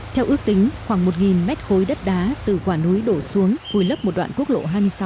theo ước tính khoảng một mét khối đất đá từ quả núi đổ xuống vùi lấp một đoạn quốc lộ hai mươi sáu